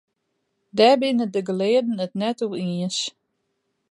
Dêr binne de gelearden it net oer iens.